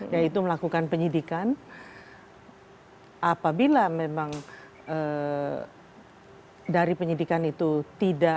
yaitu melakukan penyelidikan apabila memang dari penyelidikan itu tidak